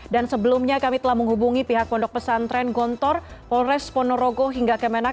dan sebelumnya kami telah menghubungi pihak pondok pesantren gontor polres ponorogo hingga kemenak